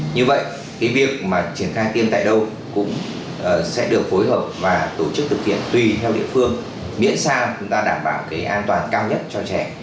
như vậy cái việc mà triển khai tiêm tại đâu cũng sẽ được phối hợp và tổ chức thực hiện tùy theo địa phương miễn sao chúng ta đảm bảo cái an toàn cao nhất cho trẻ